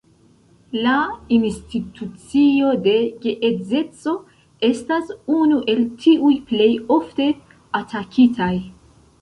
La institucio de geedzeco estas unu el tiuj plej ofte atakitaj.